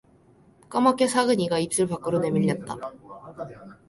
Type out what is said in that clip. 까맣게 삭은 이가 입술 밖으로 내밀렸다.